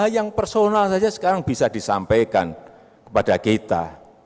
yang personal saja sekarang bisa disampaikan kepada kita